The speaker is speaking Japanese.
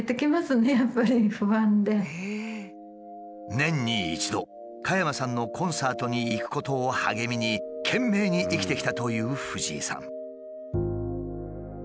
年に一度加山さんのコンサートに行くことを励みに懸命に生きてきたという藤井さん。